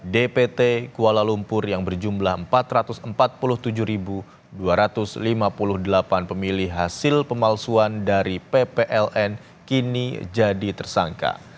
dpt kuala lumpur yang berjumlah empat ratus empat puluh tujuh dua ratus lima puluh delapan pemilih hasil pemalsuan dari ppln kini jadi tersangka